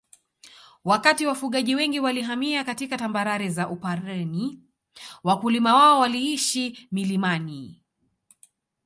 Wakati wafugaji wengi walihamia katika tambarare za Upareni Wakulima wao waliishi milimani